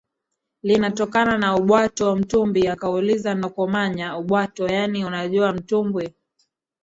Linatokana na Obhwato mtumbwi akauliza nokumanya obhwato yaani Unajua mtumbwi